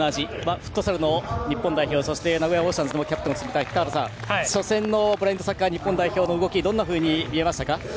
フットサルの日本代表そして名古屋オーシャンズでもキャプテンを務めた北原さん初戦のブラインドサッカー日本代表の動きはどんなふうに見えましたか？